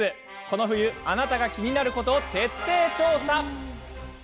この冬あなたがキニナルことを徹底調査。